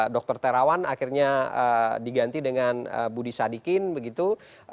dr terawan akhirnya diganti dengan budi sadikin begitu